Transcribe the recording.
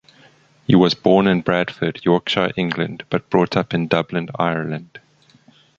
He was born in Bradford, Yorkshire, England, but brought up in Dublin, Ireland.